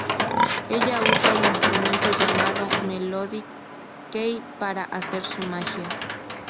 Ella usa un instrumento llamado Melody Key para hacer su magia.